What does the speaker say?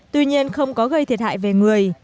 tuy nhiên không có gây thiệt hại về người